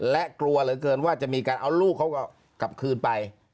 และกลัวเหลือเกินว่าจะมีการเอาลูกเขากลับคืนไป